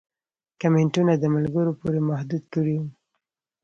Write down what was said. کمنټونه د ملګرو پورې محدود کړي وو